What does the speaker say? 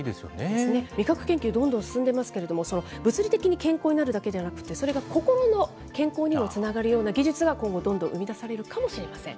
ですね、味覚研究、どんどん進んでいますけれども、物理的に健康になるだけではなくて、それが心の健康にもつながるような技術が今後、どんどん生み出されるかもしれません。